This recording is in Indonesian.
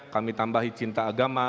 kami tambahi cinta agama